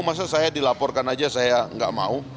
masa saya dilaporkan aja saya nggak mau